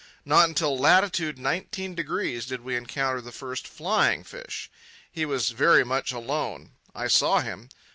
Not until latitude 19° did we encounter the first flying fish. He was very much alone. I saw him.